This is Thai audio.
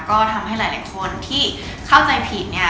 ก็ทำให้หลายคนที่เข้าใจผิดเนี่ย